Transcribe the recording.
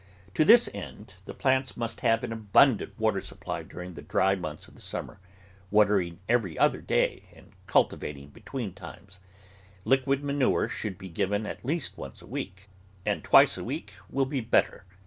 To this end the plants must have an abundant water THE VEGETABLE GARDEN supply during the dry months of the summer, watering every other day, and cultivating between times. Liquid manure should be given at least once a week, and twice a week will be better.